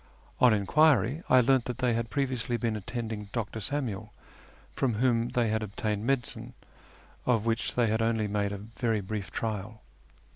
On enquiry I learned that they had previously been attending Dr. Samuel, from whom they had obtained medicine, of which they had only made a very brief trial.